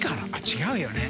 違うよね？